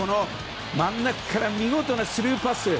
真ん中から見事なスルーパス。